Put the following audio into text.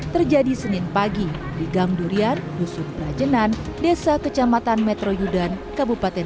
terjadi senin pagi di gangdurian dusun brajenan desa kecamatan metro yudan kabupaten